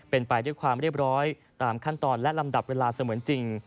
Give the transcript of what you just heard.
เป็นไปด้วยความเรียบร้อยตามขั้นตอนและลำดับเวลาเสมือนจริง